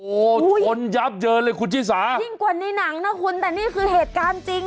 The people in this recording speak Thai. โอ้โหชนยับเยินเลยคุณชิสายิ่งกว่าในหนังนะคุณแต่นี่คือเหตุการณ์จริง